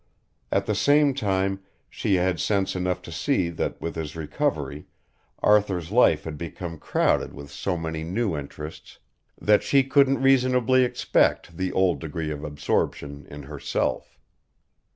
At the same time she had sense enough to see that with his recovery Arthur's life had become crowded with so many new interests that she couldn't reasonably expect the old degree of absorption in herself.